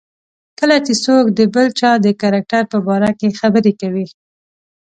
کله چې څوک د بل چا د کرکټر په باره کې خبرې کوي.